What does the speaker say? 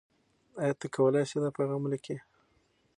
آیا ته کولای سې دا پیغام ولیکې؟